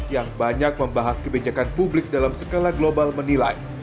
yang banyak membahas kebijakan publik dalam skala global menilai